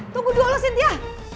tunggu dulu sintia